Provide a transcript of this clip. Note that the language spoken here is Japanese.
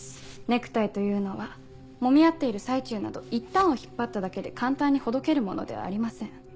ネクタイというのはもみ合っている最中など一端を引っ張っただけで簡単にほどけるものではありません。